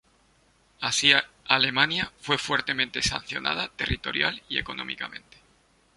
Así, Alemania fue fuertemente sancionada territorial y económicamente.